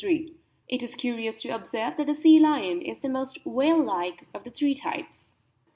It is curious to observe that the sea lion is the most whale like of the three types."